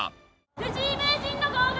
藤井名人の号外